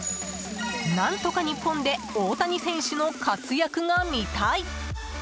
何とか日本で大谷選手の活躍が見たい。